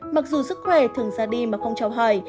mặc dù sức khỏe thường ra đi mà không trao hài